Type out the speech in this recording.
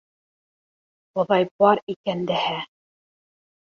Хоҙай бар икән дәһә!